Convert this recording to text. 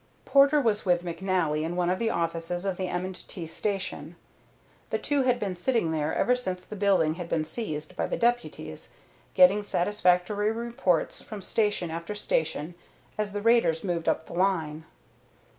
Porter was with McNally in one of the offices of the M. & T. station. The two had been sitting there ever since the building had been seized by the deputies, getting satisfactory reports from station after station as the raiders moved up the line.